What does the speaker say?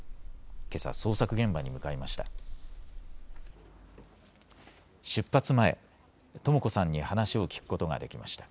けさ、捜索現場に向かいました。